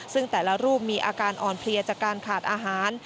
ซึ่งแต่ละรูปมีอาการอ่อนเพลียจากการขาดอาหาร